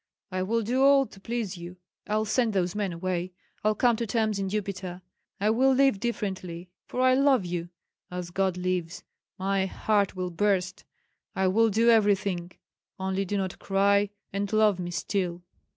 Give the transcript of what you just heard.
I will do all to please you. I'll send those men away, I'll come to terms in Upita, I will live differently, for I love you. As God lives, my heart will burst! I will do everything; only do not cry, and love me still."